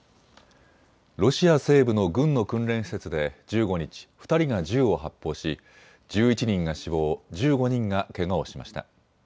ロシア西部の軍の訓練施設で１５日、２人が銃を発砲し１１人が死亡、１５人がけがをしました。